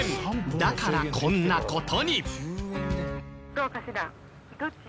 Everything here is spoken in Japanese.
だからこんな事に。